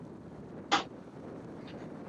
小组前两名直接晋级八强。